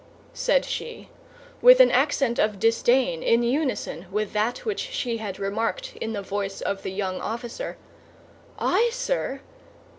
said she, with an accent of disdain in unison with that which she had remarked in the voice of the young officer, "I, sir?